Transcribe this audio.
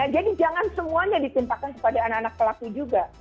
jadi jangan semuanya ditimpakan kepada anak anak pelaku juga